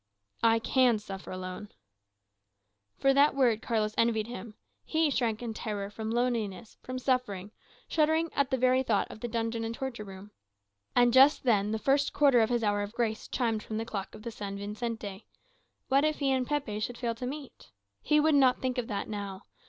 "I can suffer alone." For that word Carlos envied him. He shrank in terror from loneliness, from suffering, shuddering at the very thought of the dungeon and the torture room. And just then the first quarter of his hour of grace chimed from the clock of San Vicente. What if he and Pepe should fail to meet? He would not think of that now.